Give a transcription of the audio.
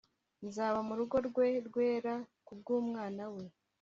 Nzaba murugo rwe rwera kubw’umwana we